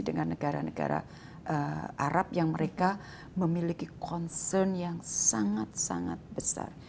dengan negara negara arab yang mereka memiliki concern yang sangat sangat besar